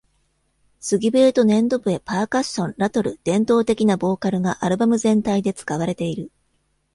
杉笛と粘土笛、パーカッション、ラトル、伝統的なボーカルがアルバム全体で使われている。